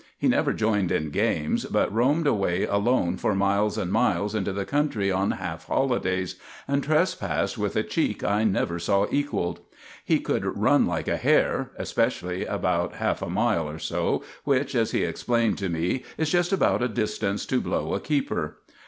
He never joined in games, but roamed away alone for miles and miles into the country on half holidays, and trespassed with a cheek I never saw equalled. He could run like a hare especially about half a mile or so, which, as he explained to me, is just about a distance to blow a keeper.